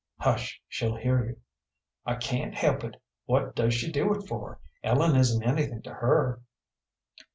"Hush; she'll hear you." "I can't help it. What does she do it for? Ellen isn't anything to her."